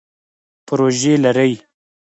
پروژی لرئ؟